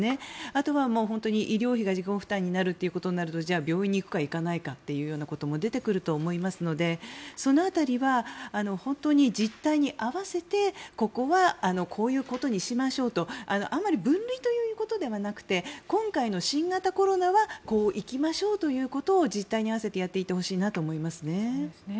あとは、医療費が自己負担になるということになるとじゃあ病院に行くか行かないかということも出てくると思いますのでその辺りは本当に実態に合わせてここはこういうことにしましょうとあまり分類ということではなくて今回の新型コロナはこういきましょうということを実態に合わせてやっていってほしいと思いますね。